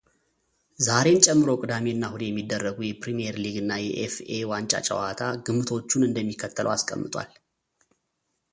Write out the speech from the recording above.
ዛሬን ጨምሮ ቅዳሜ እና እሁድ የሚደረጉ የፕሪሚየር ሊግ እና የኤፍኤ ዋንጫ ጨዋታ ግምቶቹን እንደሚከተለው አስቀምጧል።